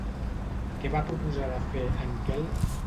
Què va proposar de fer, en Quel?